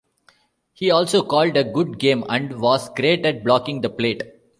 He also called a good game and was great at blocking the plate.